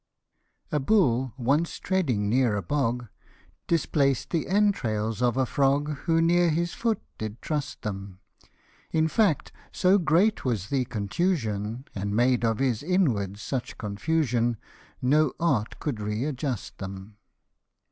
A BULL once treading near a bog, Displaced the entrails of a frog, Who near his foot did trust them ; In fact, so great was the contusion, And made of his inwards such confusion, No art could re adjust them.